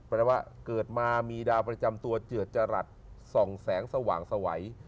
แปลว่าเกิดมามีดาวประจำตัวเจือดจรัสส่องแสงสว่างสวัย